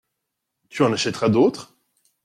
Tu en achèteras d’autres ?